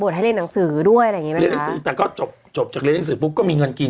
เรียนหนังสือแต่ก็จบจากเรียนหนังสือปุ๊บก็มีเงินกิน